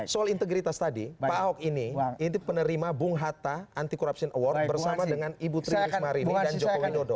soal integritas tadi pak ahok ini penerima bung hatta anti corruption award bersama dengan ibu trinitas marini dan joko winodo